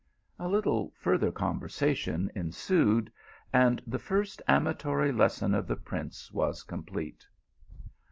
" A little further conversation ensued, and the first amatory lesson of the prince was complete.